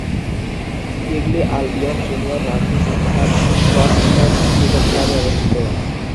কিগলি Albion junior rugby league club Crossflats cricket ক্লাবে অবস্থিত।